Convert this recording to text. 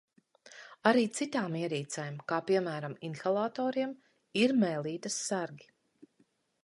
Arī citām ierīcēm kā, piemēram, inhalatoriem ir mēlītes sargi.